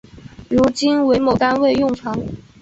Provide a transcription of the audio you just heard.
如今为某单位用房。